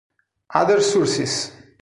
Other sources